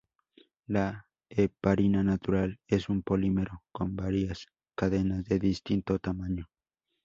La heparina natural es un polímero con varias cadenas de distinto tamaño.